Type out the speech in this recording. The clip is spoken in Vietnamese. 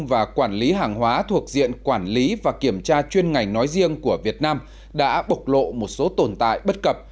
và quản lý hàng hóa thuộc diện quản lý và kiểm tra chuyên ngành nói riêng của việt nam đã bộc lộ một số tồn tại bất cập